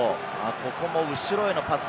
ここも後ろへのパス。